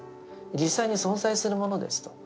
実際に存在するものですと。